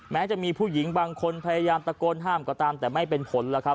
แม้จะมีผู้หญิงบางคนพยายามตะโกนห้ามก็ตามแต่ไม่เป็นผลแล้วครับ